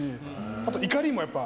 あと怒りも、やっぱり。